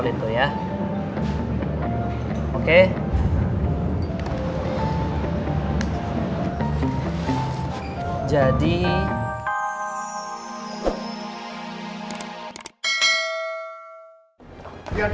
barang ini pak